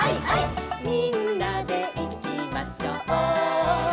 「みんなでいきましょう」